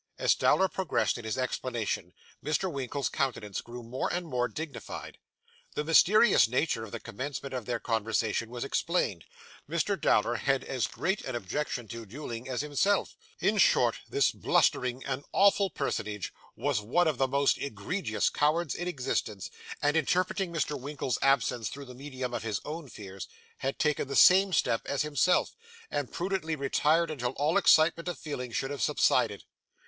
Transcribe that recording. As Dowler progressed in his explanation, Mr. Winkle's countenance grew more and more dignified. The mysterious nature of the commencement of their conversation was explained; Mr. Dowler had as great an objection to duelling as himself; in short, this blustering and awful personage was one of the most egregious cowards in existence, and interpreting Mr. Winkle's absence through the medium of his own fears, had taken the same step as himself, and prudently retired until all excitement of feeling should have subsided.